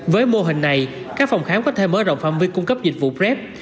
với mô hình này các phòng khám có thể mở rộng phạm viên cung cấp dịch vụ prep